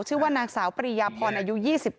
ชื่อว่านางสาวปริยาพรอายุ๒๗